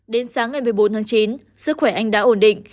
đến sáng ngày một mươi bốn tháng chín sức khỏe anh đã ổn định